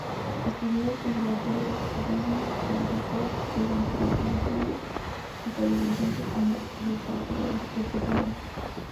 Estudio en el Conservatorio Rimski-Kórsakov de San Petersburgo, hasta licenciarse como repetidora.